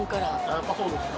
やっぱそうですか？